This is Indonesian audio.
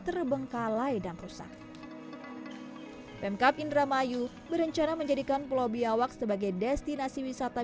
terbengkalai dan rusak pemkap indramayu berencana menjadikan pulau biawak sebagai destinasi wisata